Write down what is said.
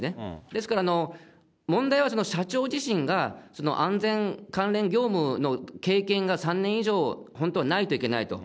ですから、問題はその、社長自身が安全関連業務の経験が３年以上、本当はないといけないと。